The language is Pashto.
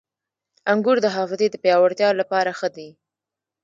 • انګور د حافظې د پیاوړتیا لپاره ښه دي.